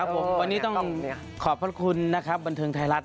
ผมวันนี้ต้องขอบพระคุณนะครับบันเทิงไทยรัฐ